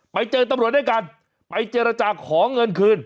ไปเจอตำรวจด้วยกันไปเจรจาขอเงินคืน